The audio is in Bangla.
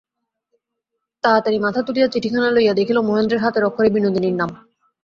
তাড়াতাড়ি মাথা তুলিয়া চিঠিখানা লইয়া দেখিল, মহেন্দ্রের হাতের অক্ষরে বিনোদিনীর নাম।